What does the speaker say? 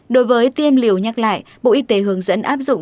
đối với tiêm liều nhắc lại bộ y tế hướng dẫn áp dụng